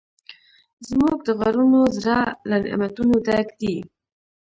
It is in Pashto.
زموږ د غرونو زړه له نعمتونو ډک دی.